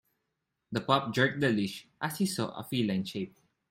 The pup jerked the leash as he saw a feline shape.